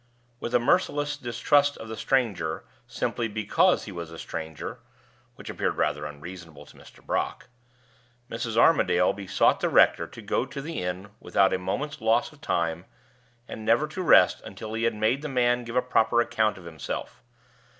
With a merciless distrust of the stranger simply because he was a stranger which appeared rather unreasonable to Mr. Brock, Mrs. Armadale besought the rector to go to the inn without a moment's loss of time, and never to rest until he had made the man give a proper account of himself.